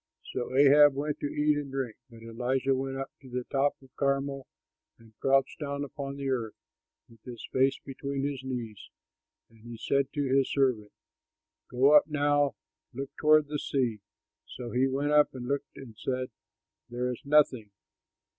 So Ahab went to eat and drink. But Elijah went up to the top of Carmel and crouched down upon the earth, with his face between his knees. And he said to his servant, "Go up now, look toward the sea." So he went up and looked and said, "There is nothing."